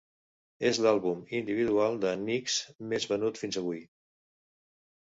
És l'àlbum individual de Nicks més venut fins avui.